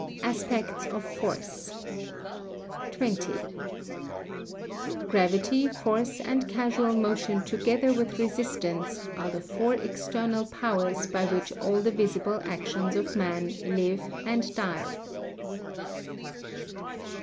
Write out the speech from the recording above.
[Sidenote: Aspects of Force] 20. Gravity, force and casual motion together with resistance are the four external powers by which all the visible actions of man live and die.